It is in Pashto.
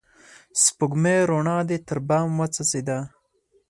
سپوږمۍ روڼا دي تر بام وڅڅيده